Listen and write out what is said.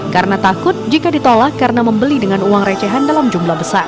karena takut jika ditolak karena membeli dengan uang recehan dalam jumlah besar